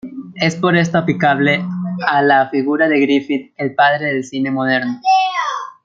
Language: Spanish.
Es por esto aplicable a la figura de Griffith ""El padre del cine moderno"".